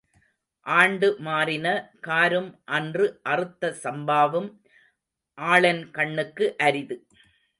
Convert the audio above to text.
ஆண்டு மாறின காரும் அன்று அறுத்த சம்பாவும் ஆளன் கண்ணுக்கு அரிது.